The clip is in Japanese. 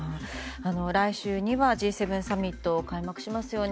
来週にはＧ７サミットが開幕しますよね。